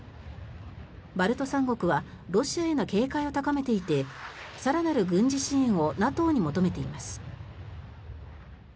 バルト三国はロシアへの警戒を高めていて更なる軍事支援をＮＡＴＯに求めています。